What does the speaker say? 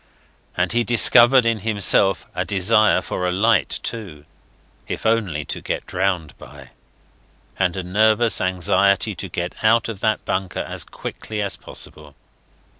And he discovered in himself a desire for a light, too if only to get drowned by and a nervous anxiety to get out of that bunker as quickly as possible.